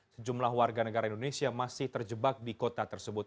sejumlah warga negara indonesia masih terjebak di kota tersebut